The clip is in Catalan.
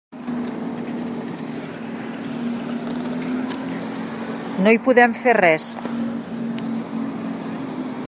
No hi podem fer res.